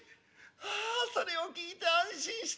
ああそれを聞いて安心した。